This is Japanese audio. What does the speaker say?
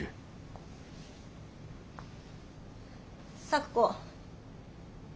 咲子。